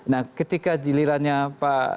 nah ketika jilirannya pak